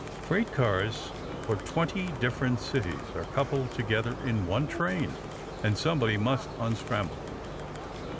Freight cars for twenty different cities are coupled together in one train, and somebody must unscramble them.